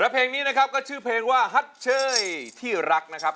เพลงนี้นะครับก็ชื่อเพลงว่าฮัตเชยที่รักนะครับ